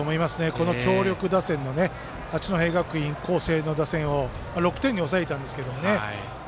この強力打線の八戸学院光星の打線を６点に抑えたんですけどね。